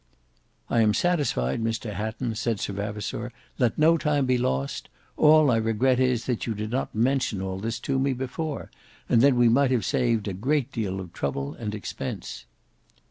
"I am satisfied, Mr Hatton." said Sir Vavasour: "let no time be lost. All I regret is, that you did not mention all this to me before; and then we might have saved a great deal of trouble and expence."